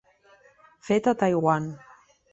Fet a Taiwan.